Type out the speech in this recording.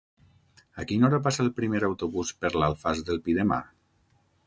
A quina hora passa el primer autobús per l'Alfàs del Pi demà?